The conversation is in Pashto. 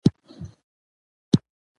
د افغانستان نقشه د تاریخي شالید ښکارندوی ده.